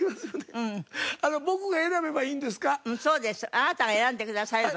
あなたが選んでくだされば。